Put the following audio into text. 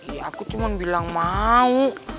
ya aku cuma bilang mau